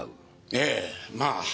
ええまあ。